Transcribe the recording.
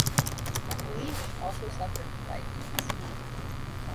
MacLeish also suffered from diabetes.